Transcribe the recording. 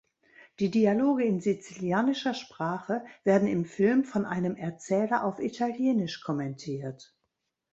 Die Dialoge in sizilianischer Sprache werden im Film von einem Erzähler auf Italienisch kommentiert.